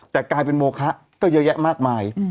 แต่กลายเป็นโมคะก็เยอะแยะมากมาย